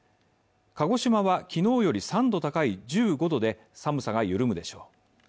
鹿児島はきのうより３度高い１５度で寒さが緩むでしょう。